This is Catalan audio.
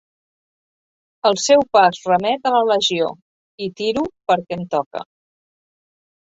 El seu pas remet a la legió, i tiro perquè em toca.